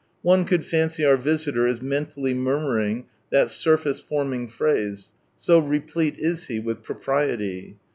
One could fancy our visitor is mentally murmuring that " surface " forming phrase, so replete is he with propriety.